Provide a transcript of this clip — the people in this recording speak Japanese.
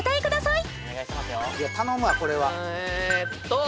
いや頼むわこれはえっと